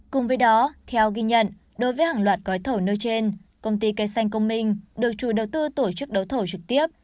cùng với đó theo ghi nhận đối với hàng loạt gói thầu nêu trên công ty cây xanh công minh được chủ đầu tư tổ chức đấu thầu trực tiếp